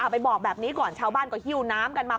ไปบอกแบบนี้ก่อนชาวบ้านก็หิ้วน้ำกันมา